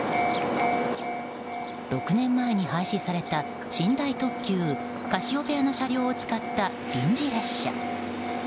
６年前に廃止された寝台特急「カシオペア」の車両を使った臨時列車。